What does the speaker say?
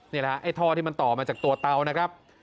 นี่แหละไอ้ท่อที่มันต่อมาจากตัวเตานะครับ